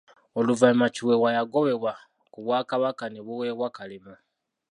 Oluvannyuma Kiweewa yagobebwa ku Bwakabaka ne buweebwa Kalema.